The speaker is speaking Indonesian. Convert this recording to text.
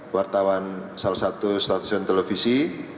wartawan salah satu stasiun televisi